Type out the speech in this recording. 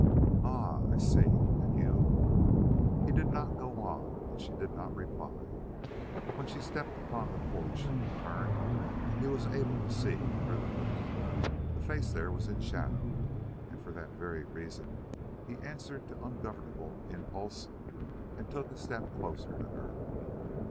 "Oh, I see. And you " He did not go on and she did not reply. When she stepped upon the porch and turned he was able to see under the hood. The face there was in shadow, and for that very reason he answered to ungovernable impulse and took a step closer to her.